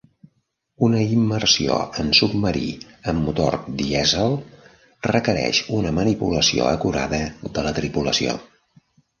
Una immersió en submarí amb motor dièsel requereix una manipulació acurada de la tripulació.